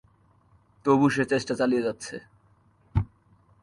তবু সে চেষ্টা চালিয়ে যাচ্ছে।